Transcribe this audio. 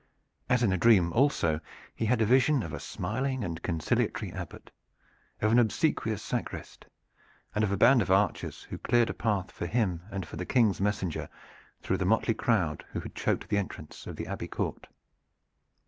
As in a dream also he had a vision of a smiling and conciliatory Abbot, of an obsequious sacrist, and of a band of archers who cleared a path for him and for the King's messenger through the motley crowd who had choked the entrance of the Abbey court.